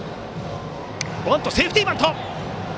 セーフティーバント。